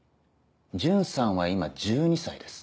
順さんは今１２歳です。